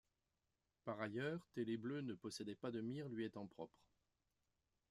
Par ailleurs, Télé Bleue ne possédait pas de mire lui étant propre.